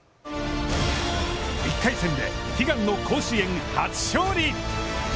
１回戦で悲願の甲子園初勝利！